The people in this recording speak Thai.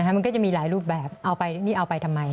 มันก็จะมีหลายรูปแบบเอาไปนี่เอาไปทำไม